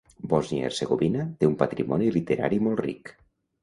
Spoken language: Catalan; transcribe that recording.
Bòsnia i Hercegovina té un patrimoni literari molt ric.